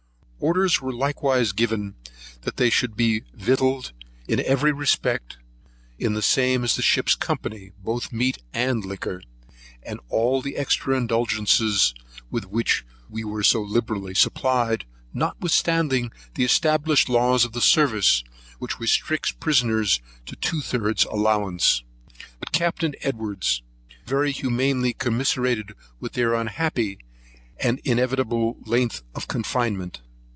Orders were likewise given that they should be victualled, in every respect in the same as the ship's company, both in meat, liquor, and all the extra indulgencies with which we were so liberally supplied, notwithstanding the established laws of the service, which restricts prisoners to two thirds allowance: but Captain Edwards very humanely commiserated with their unhappy and inevitable length of confinement.